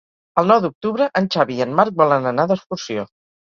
El nou d'octubre en Xavi i en Marc volen anar d'excursió.